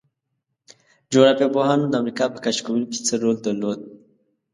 جغرافیه پوهانو د امریکا په کشف کولو کې څه رول درلود؟